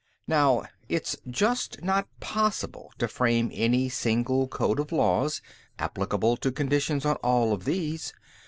Now, it's just not possible to frame any single code of laws applicable to conditions on all of these.